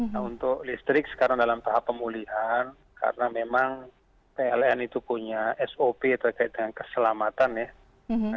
nah untuk listrik sekarang dalam tahap pemulihan karena memang pln itu punya sop terkait dengan keselamatan ya